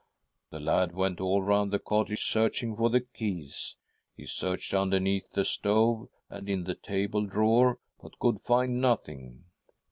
" The lad went all round the cottage, searching for the; keys. He searched underneath the stove, and in the table drawer, but could find nothing.